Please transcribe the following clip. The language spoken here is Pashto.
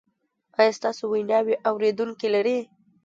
ایا ستاسو ویناوې اوریدونکي لري؟